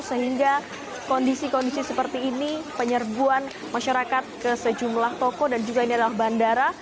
sehingga kondisi kondisi seperti ini penyerbuan masyarakat ke sejumlah toko dan juga ini adalah bandara